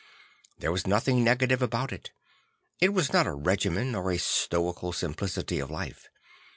There was nothing negative about it; it was not a regimen or a stoical simplicity of life.